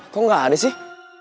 kok gak ada sih